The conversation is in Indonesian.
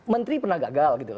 menteri pernah gagal gitu